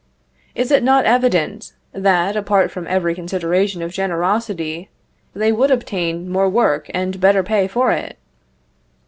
Is it not evident that, apart from every consideration of generosity, they would obtain more work and better pay for it?